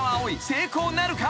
成功なるか？］